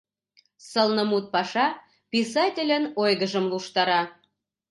Сылнымут паша писательын ойгыжым луштара.